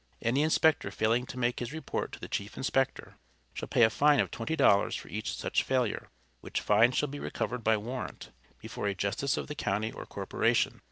Any inspector failing to make his report to the chief inspector, shall pay a fine of twenty dollars for each such failure, which fine shall be recovered by warrant, before a justice of the county or corporation.